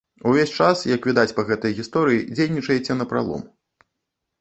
Увесь час, як відаць па гэтай гісторыі, дзейнічаеце напралом.